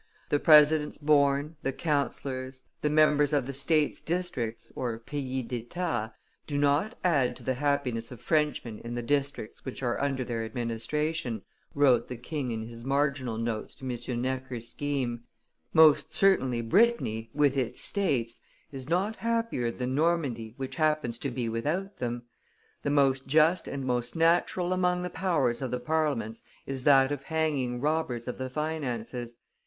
"The presidents born, the councillors, the members of the states districts (pays d'etats), do not add to the happiness of Frenchmen in the districts which are under their administration," wrote the king in his marginal notes to M. Necker's scheme. "Most certainly Brittany, with its states, is not happier than Normandy which happens to be without them. The most just and most natural among the powers of the parliaments is that of hanging robbers of the finances.